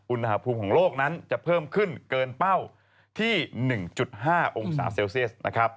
อุณหภูมิของโลกนั้นจะเพิ่มขึ้นเกินเป้าที่๑๕องศาเซลเซียสนะครับ